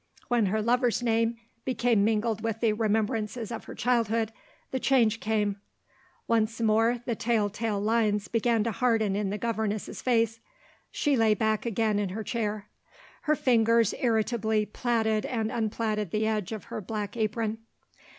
When her lover's name became mingled with the remembrances of her childhood the change came. Once more, the tell tale lines began to harden in the governess's face. She lay back again in her chair. Her fingers irritably platted and unplatted the edge of her black apron.